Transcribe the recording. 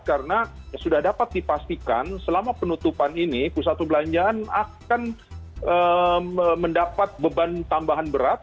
karena sudah dapat dipastikan selama penutupan ini pusat perbelanjaan akan mendapat beban tambahan berat